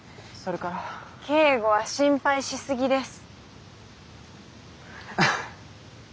京吾は心配しすぎです。